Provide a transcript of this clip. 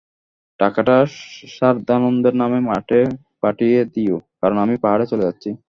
টাকাটা সারদানন্দের নামে মঠে পাঠিয়ে দিও, কারণ আমি পাহাড়ে চলে যাচ্ছি।